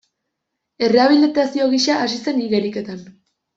Errehabilitazio gisa hasi zen igeriketan.